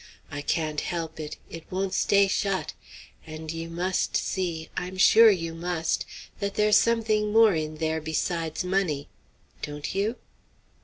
I can't help it; it won't stay shut. And you must see, I'm sure you must, that there's something more in there besides money; don't you?"